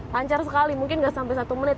lancar sekali mungkin nggak sampai satu menit